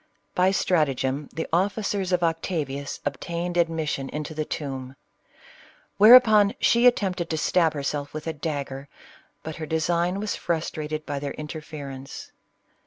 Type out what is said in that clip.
By stratagem the officers of Octavius obtained ad mission into the tomb ; whereupon she attempted to stab herself with a dagger, but her design was frustra ted by their interference.